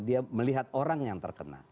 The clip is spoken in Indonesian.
dia melihat orang yang terkena